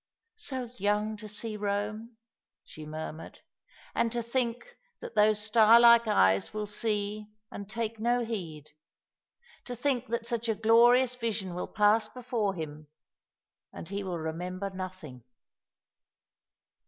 '' So young to see Eome," she murmured. " And to think that those star like eyes will see and take no heed ; to think that such a glorious vision will pass before him, and he will remember nothing."